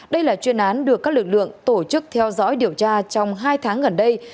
đây là chuyên án được các lực lượng tổ chức theo dõi điều tra trong hai tháng gần đây